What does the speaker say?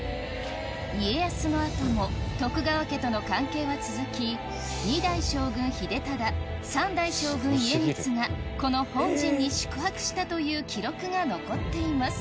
家康の後も徳川家との関係は続きがこの本陣に宿泊したという記録が残っています